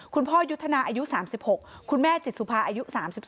คุณพ่อยุทธนาอายุ๓๖คุณแม่จิตสุภาอายุ๓๒